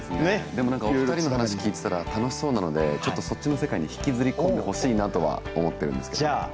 でも何かお二人の話聞いてたら楽しそうなのでちょっとそっちの世界に引きずり込んでほしいなとは思ってるんですけれども。